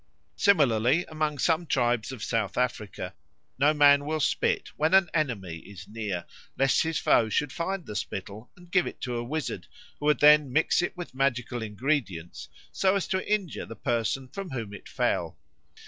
Similarly among some tribes of South Africa no man will spit when an enemy is near, lest his foe should find the spittle and give it to a wizard, who would then mix it with magical ingredients so as to injure the person from whom it fell.